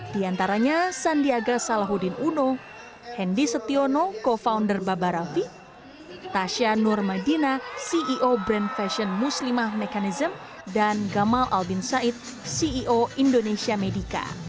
di antaranya sandiaga salahuddin uno hendy setiono co founder baba rafi tasya nur madina ceo brand fashion muslimah mechanism dan gamal albin said ceo indonesia medica